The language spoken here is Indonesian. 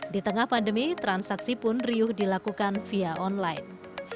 di tengah pandemi transaksi pun riuh dilakukan via online